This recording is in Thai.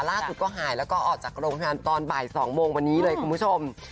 ล่าสุดก็หายแล้วก็ออกจากโรงพยาบาลตอนบ่าย๒โมงวันนี้เลยคุณผู้ชม